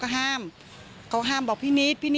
ตลอดทั้งคืนตลอดทั้งคืน